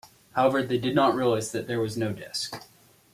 However they did not realise that there was no desk.